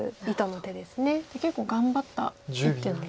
じゃあ結構頑張った一手なんですね。